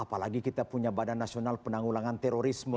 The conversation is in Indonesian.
apalagi kita punya badan nasional penanggulangan terorisme